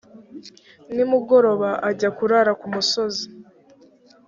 nimugoroba ajya kurara ku musozi.